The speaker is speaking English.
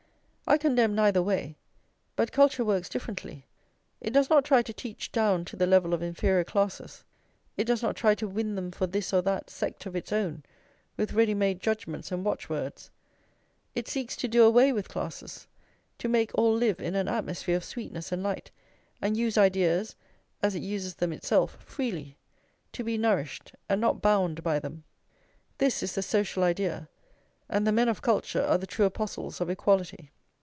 I condemn neither way; but culture works differently. It does not try to teach down to the level of inferior classes; it does not try to win them for this or that sect of its own, with ready made judgments and watchwords. It seeks to do away with classes; to make all live in an atmosphere of sweetness and light, and use ideas, as it uses them itself, freely, to be nourished and not bound by them. This is the social idea; and the men of culture are the true apostles of equality.